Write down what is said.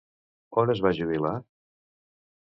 On es va jubilar?